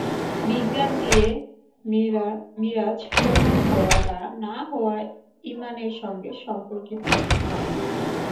বিজ্ঞান দিয়ে মিরাজ প্রমাণ হওয়া বা না হওয়া ইমানের সঙ্গে সম্পর্কিত নয়।